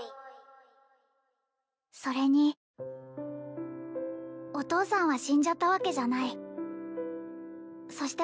それにお父さんは死んじゃったわけじゃないそして